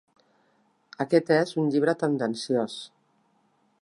Aquest és un llibre tendenciós.